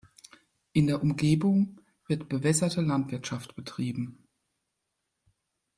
In der Umgebung wird bewässerte Landwirtschaft betrieben.